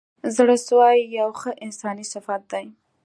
زړه سوی یو ښه انساني صفت دی.